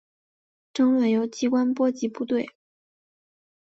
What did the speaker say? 争论由机关波及部队。